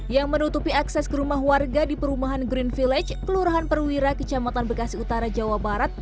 yang menutupi akses ke rumah warga di perumahan green village kelurahan perwira kecamatan bekasi utara jawa barat